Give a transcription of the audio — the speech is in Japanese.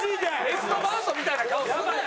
ベストバウトみたいな顔するなよ！